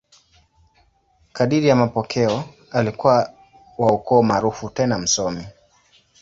Kadiri ya mapokeo, alikuwa wa ukoo maarufu tena msomi.